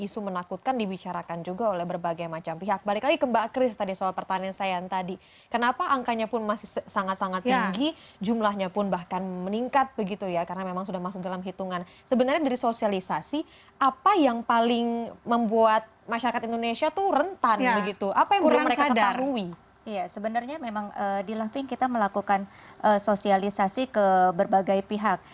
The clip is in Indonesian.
sebenarnya memang di lamping kita melakukan sosialisasi ke berbagai pihak